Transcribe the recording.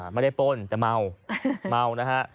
ไม่ได้ป้นแต่เมาเมานะคะ